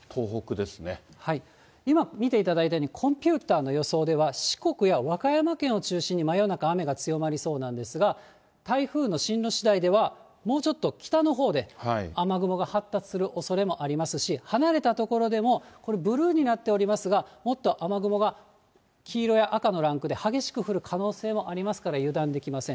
今、見ていただいたように、コンピューターの予想では、四国や和歌山県を中心に真夜中、雨が強まりそうなんですが、台風の進路しだいでは、もうちょっと北のほうで、雨雲が発達するおそれもありますし、離れた所でもこれ、ブルーになっておりますが、もっと雨雲が黄色や赤のランクで激しく降る可能性もありますから、油断できません。